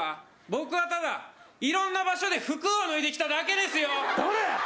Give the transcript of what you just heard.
僕はただ、いろんな場所で服を脱いできただけですよ。